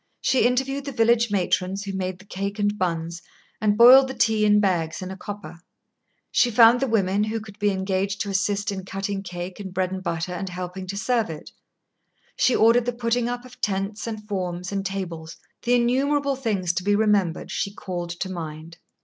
She interviewed the village matrons who made the cake and buns, and boiled the tea in bags in a copper; she found the women who could be engaged to assist in cutting cake and bread and butter and helping to serve it; she ordered the putting up of tents and forms and tables; the innumerable things to be remembered she called to mind.